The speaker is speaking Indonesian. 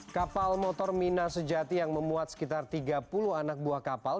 kapal motor mina sejati yang memuat sekitar tiga puluh anak buah kapal